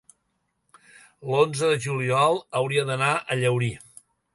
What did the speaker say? L'onze de juliol hauria d'anar a Llaurí.